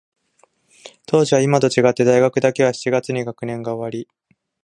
当時は、いまと違って、大学だけは七月に学年が終わり、